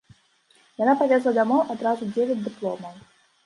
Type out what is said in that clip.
Яна павезла дамоў адразу дзевяць дыпломаў.